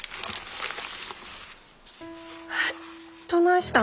えっどないしたん？